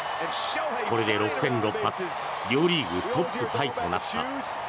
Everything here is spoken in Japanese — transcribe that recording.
これで６戦６発両リーグトップタイとなった。